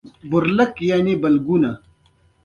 د افغانستان سیاسي خپلواکۍ ګټل.